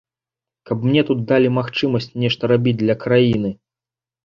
Каб мне тут далі магчымасць нешта рабіць для краіны.